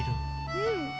うん。